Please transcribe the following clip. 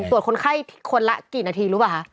ตรวจคนไข้คนละกี่นาธิรู้ป่ะ